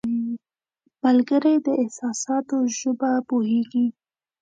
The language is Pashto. ملګری د احساساتو ژبه پوهیږي